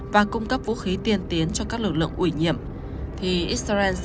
và cung cấp vũ khí tiên tiến cho các lực lượng ủy nhiệm